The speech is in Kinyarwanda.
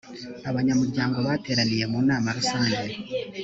abanyamuryango bateraniye mu nama rusange